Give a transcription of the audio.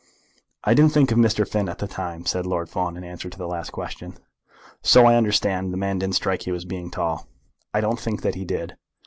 "I didn't think of Mr. Finn at the time," said Lord Fawn in answer to the last question. "So I understand. The man didn't strike you as being tall." "I don't think that he did."